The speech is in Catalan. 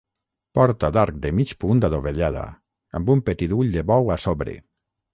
Porta d'arc de mig punt adovellada amb un petit ull de bou a sobre.